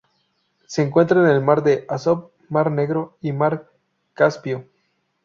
Se encuentra en el mar de Azov, mar Negro y mar Caspio.